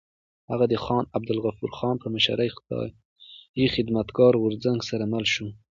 هغه د خان عبدالغفار خان په مشرۍ خدایي خدمتګار غورځنګ سره مل شو.